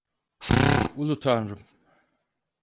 Ulu Tanrım.